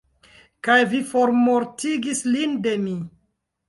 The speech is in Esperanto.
Kaj vi formortigis lin de mi!